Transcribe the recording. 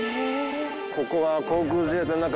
ここは。